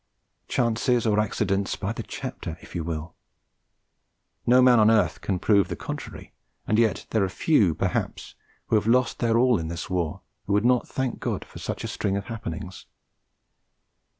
Chances or accidents, by the chapter, if you will! No man on earth can prove the contrary; and yet there are few, perhaps, who have lost their all in this war, and who would not thank God for such a string of happenings.